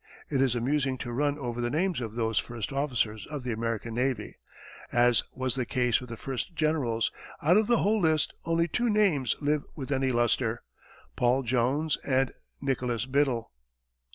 It is amusing to run over the names of those first officers of the American navy. As was the case with the first generals, out of the whole list only two names live with any lustre Paul Jones and Nicholas Biddle.